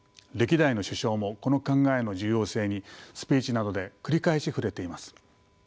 歴代の首相もこの考えの重要性にスピーチなどで繰り返し触れています。